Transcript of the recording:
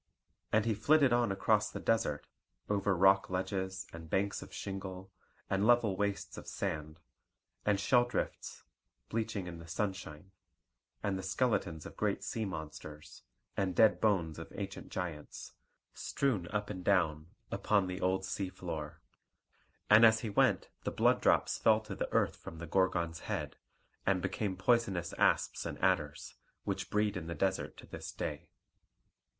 And he flitted on across the desert: over rock ledges, and banks of shingle, and level wastes of sand, and shell drifts bleaching in the sunshine, and the skeletons of great sea monsters, and dead bones of ancient giants, strewn up and down upon the old sea floor. And as he went the blood drops fell to the earth from the Gorgon's head, and became poisonous asps and adders, which breed in the desert to this day.